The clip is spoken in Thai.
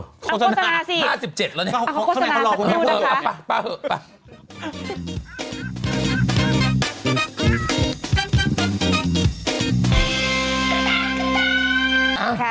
โฆษณาสิโฆษณาสักทีแล้วเนี่ยไปป่ะไป